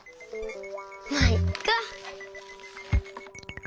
まあいっか。